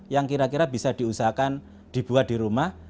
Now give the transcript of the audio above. yang kira kira bisa diusahakan dibuat di rumah